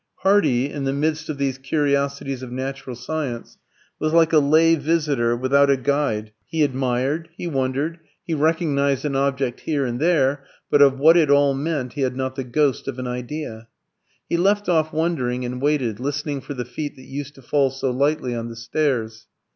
Hardy, in the midst of these curiosities of natural science, was like a lay visitor without a guide: he admired, he wondered, he recognised an object here and there, but of what it all meant he had not the ghost of an idea. He left off wondering, and waited, listening for the feet that used to fall so lightly on the stairs.